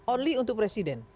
only untuk presiden